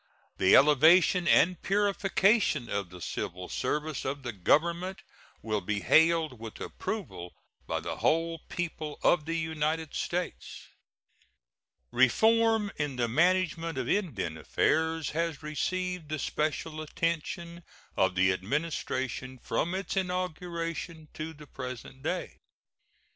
The elevation and purification of the civil service of the Government will be hailed with approval by the whole people of the United States. Reform in the management of Indian affairs has received the special attention of the Administration from its inauguration to the present day.